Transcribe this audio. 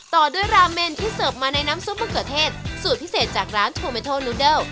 ต่อด้วยราเมนที่เสิร์ฟมาในน้ำซุปมะเขือเทศสูตรพิเศษจากร้านโทเมโทลูเดิล